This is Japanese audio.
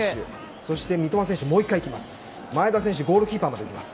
そして、三笘選手がもう１回行きます。